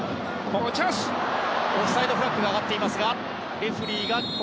オフサイドフラッグが上がりました。